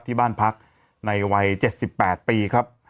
ที่บ้านพักในวัย๗๘ปีครับ